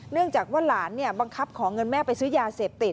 เนื่องจากว่าหลานบังคับขอเงินแม่ไปซื้อยาเสพติด